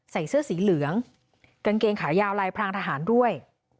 ใส่เสื้อสีเหลืองกางเกงขายาวลายพรางทหารด้วย